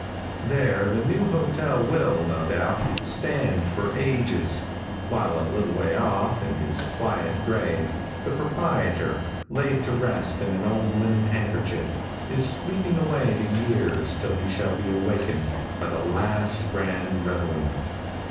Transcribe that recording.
There the new hotel will, no doubt, stand for ages, while a little way off, in his quiet grave, the proprietor, laid to rest in an old linen handkerchief, is sleeping away the years till he shall be awakened by the last grand reveille.